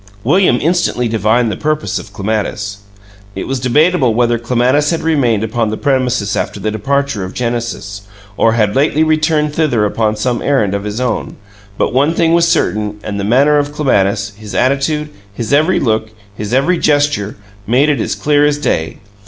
William instantly divined the purpose of Clematis. It was debatable whether Clematis had remained upon the premises after the departure of Genesis, or had lately returned thither upon some errand of his own, but one thing was certain, and the manner of Clematis his attitude, his every look, his every gesture made it as clear as day.